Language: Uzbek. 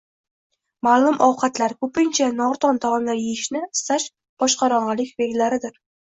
Ma’lum ovqatlar, ko‘pincha nordon taomlar yeyishni istash boshqorong‘ilik belgilaridir.